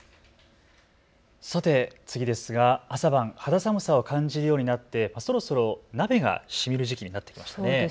さて次ですが朝晩肌寒さを感じるようになってそろそろ鍋がしみる時期になってきましたね。